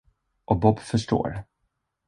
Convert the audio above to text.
Och Bob förstår.